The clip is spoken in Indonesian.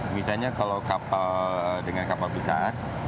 misalnya kalau kapal dengan kapal besar